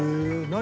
何？